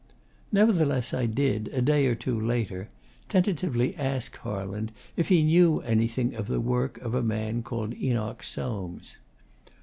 Nevertheless, I did, a day or two later, tentatively ask Harland if he knew anything of the work of a man called Enoch Soames.